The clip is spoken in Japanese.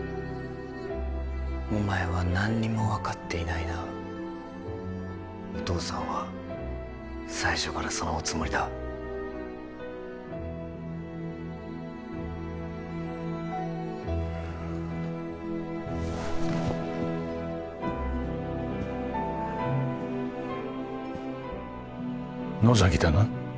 お前は何にも分かっていないなお父さんは最初からそのおつもりだ野崎だな？